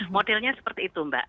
modelnya seperti itu mbak